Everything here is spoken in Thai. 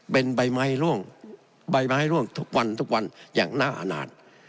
เป็นใบไม้ร่วงใบไม้ร่วงทุกวันทุกวันอย่างน่าอาณาจ